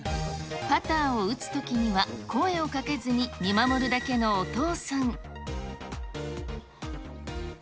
パターを打つときには声をかけずに見守るだけのお父さん。